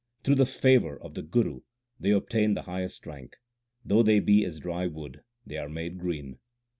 Through the favour of the Guru they obtain the highest rank ; though they be as dry wood, they are made green.